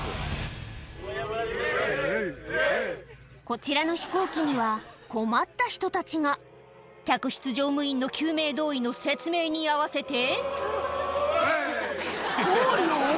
こちらの飛行機には困った人たちが客室乗務員の救命胴衣の説明に合わせてオエイ！